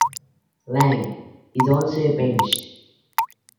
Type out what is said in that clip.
Liang is also a pianist.